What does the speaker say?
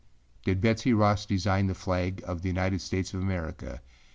Did Betsey Ross Design the Flag of the United States of America?